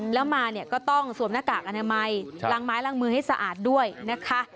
แล้วมาเนี่ยก็ต้องสวมหน้ากากอนามัยล้างไม้ล้างมือให้สะอาดด้วยนะคะ